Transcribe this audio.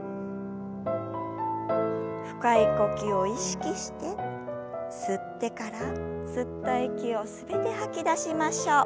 深い呼吸を意識して吸ってから吸った息を全て吐き出しましょう。